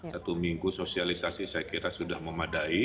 satu minggu sosialisasi saya kira sudah memadai